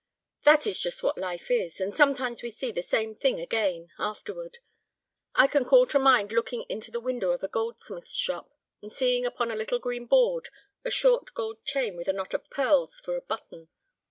"That is just what life is. And sometimes we see the same thing again—afterward. I can call to mind looking into the window of a goldsmith's shop, and seeing upon a little green board a short gold chain with a knot of pearls for a button.